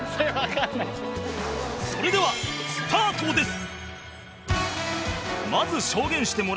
それではスタートです